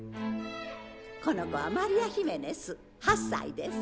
この子はマリア・ヒメネス８歳です。